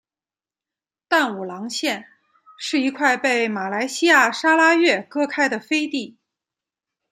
淡武廊县是一块被马来西亚砂拉越割开的飞地。